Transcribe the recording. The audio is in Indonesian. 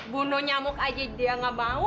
bunuh nyamuk aja dia nggak mau